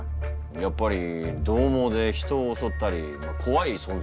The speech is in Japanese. やっぱりどう猛で人を襲ったり怖い存在だよな。